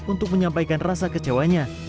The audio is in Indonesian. untuk menyampaikan rasa kecewanya